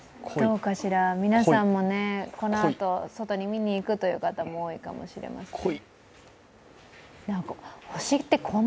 皆さんも、このあと外に見に行くという方も多いかもしれません。